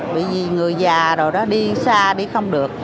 bởi vì người già rồi đó đi xa đi không được